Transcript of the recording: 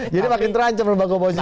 jadi makin terancam lembaga oposisi ya